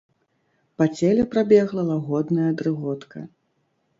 Па целе прабегла лагодная дрыготка.